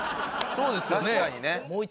そうですね。